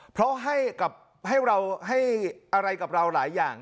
เพราะให้อะไรกับเราหลายอย่าง